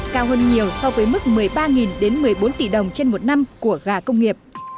cao hơn nhiều so với mức một mươi ba đến một mươi bốn tỷ đồng trên một năm của gà công nghiệp